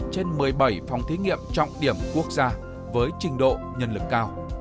một mươi bốn trên một mươi bảy phòng thí nghiệm trọng điểm quốc gia với trình độ nhân lực cao